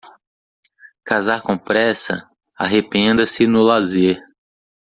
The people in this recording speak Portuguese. Casar com pressa, arrependa-se no lazer.